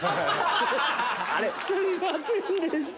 すいませんでした。